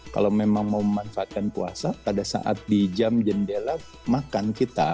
kalau memang mau memanfaatkan puasa pada saat di jam jendela makan kita